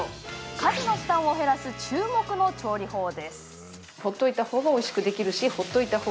家事の負担を減らす注目の調理法です。